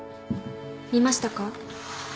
見ましたか？